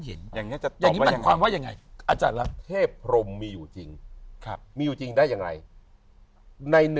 เห็นอย่างนี้จะอย่างนี้ปัญหาไว้ยังไงอาจารย์ลำเทพภรรมมีอยู่จริงมีอยู่จริงได้ยังไง